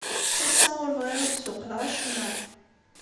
Ass-a, ur bɣiɣ ad d-ssuqqleɣ acemma.